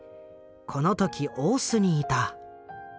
この時大須にいた。